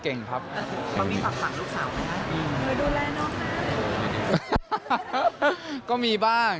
เขามีฝักฝักลูกสาวไหมครับ